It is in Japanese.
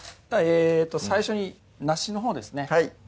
最初になしのほうですね